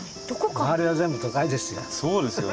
周りは全部都会ですよ。